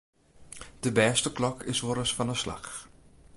De bêste klok is wolris fan 'e slach.